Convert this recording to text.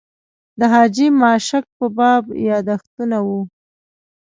د حاجي ماشک په باب یاداښتونه و.